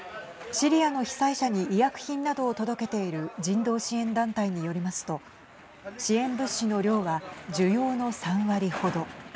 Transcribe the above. シリアの被災者に医薬品などを届けている人道支援団体によりますと支援物資の量は需要の３割程。